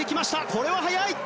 これは速い。